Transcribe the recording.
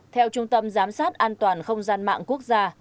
theo trung tâm giám sát an toàn không gian mạng quốc gia